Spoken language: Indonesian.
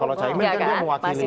kalau caimin kan dia mewakili